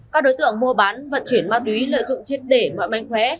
các đối tượng mua bán vận chuyển ma túy lợi dụng chiếc để mọi manh khóe